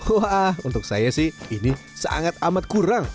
wah untuk saya sih ini sangat amat kurang